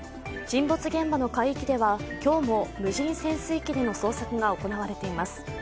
沈没現場の海域では今日も無人潜水機での捜索が行われています。